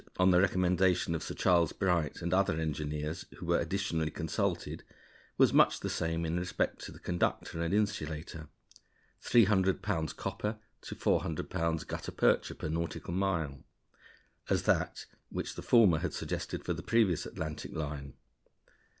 34), on the recommendation of Sir Charles Bright and other engineers who were additionally consulted, was much the same in respect to the conductor and insulator 300 pounds copper to 400 pounds gutta percha per nautical mile as that which the former had suggested for the previous Atlantic line.